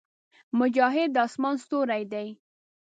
مجاهد د اسمان ستوری دی.